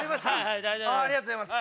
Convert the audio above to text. ありがとうございます。